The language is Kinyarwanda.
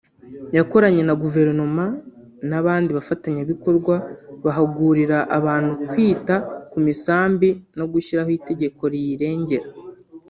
yakoranye na Guverinoma n’abandi bafatanyabikorwa bahugurira abantu kwita ku misambi no ku gushyiraho itegeko riyirengera